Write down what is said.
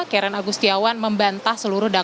karen agustiawan membantah seluruh data